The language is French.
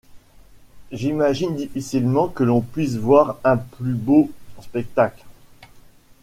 J’imagine difficilement que l’on puisse voir un plus beau spectacle!